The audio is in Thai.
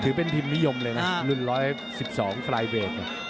ถือเป็นทีมนิยมเลยนะรุ่น๑๑๒ฟรายเวท